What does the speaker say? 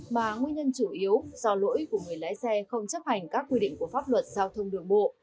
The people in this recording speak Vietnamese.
mà nguyên nhân chủ yếu do lỗi của người lái xe không chấp hành các quy định của pháp luật giao thông đường bộ